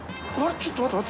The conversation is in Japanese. あぁちょっと待って。